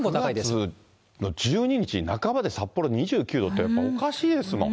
９月の１２日、半ばで札幌２９度って、おかしいですもん。